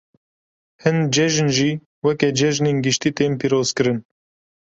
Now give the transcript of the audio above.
Hin cejn jî weke cejinên giştî tên pîrozkirin.